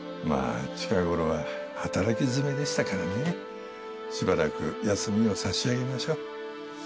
まあ近頃は働き詰めでしたからねしばらく休みを差し上げましょう。